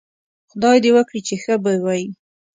خدای دې وکړي چې ښه به وئ